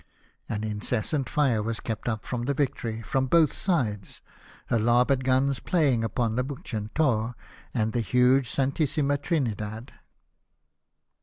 An incessant fire was kept up from the Victory from both sides, her larboard guns playing upon the Bucentaure and the huge Santissivia Trinidad.